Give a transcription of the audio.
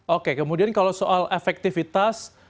oke kemudian kalau soal efektivitas